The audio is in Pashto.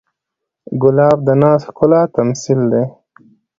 ګلاب د ناز ښکلا تمثیل دی.